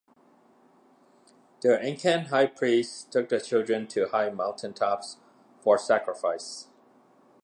The Incan high priests took the children to high mountaintops for sacrifice.